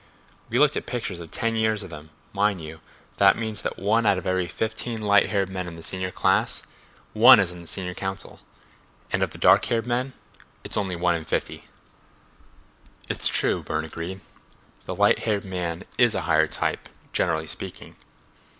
We looked at pictures of ten years of them, mind you; that means that out of every fifteen light haired men in the senior class one is on the senior council, and of the dark haired men it's only one in fifty." "It's true," Burne agreed. "The light haired man is a higher type, generally speaking.